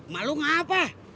malu gak apa